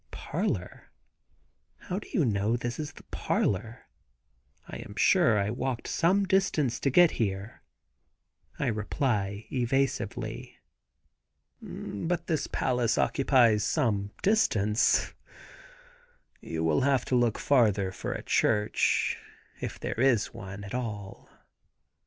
"Parlor? How do you know this is the parlor? I am sure I walked some distance to get here," I reply evasively. "But this palace occupies some distance; you will have to look farther for a church, if there is one at all.